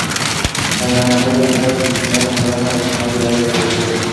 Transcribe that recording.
Los ganadores de cada semifinal jugarán la final en la Arena Roberto Durán.